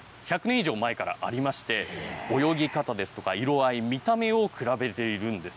以上前からありまして、泳ぎ方ですとか、色合い、見た目を比べているんです。